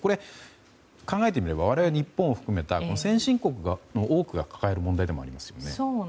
考えてみれば我々日本を含めた先進国の多くが抱える問題でもありますよね。